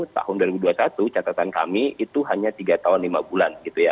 tahun dua ribu dua puluh satu catatan kami itu hanya tiga tahun lima bulan gitu ya